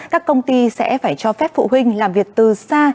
các công ty sẽ phải cho phép phụ huynh làm việc từ xa